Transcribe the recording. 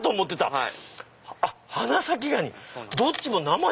はい。